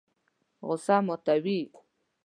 غوسه ماتوي.